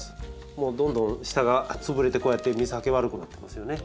もうどんどん下が潰れてこうやって水はけ悪くなってますよね。